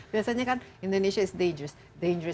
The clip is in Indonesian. biasanya kan indonesia itu bahaya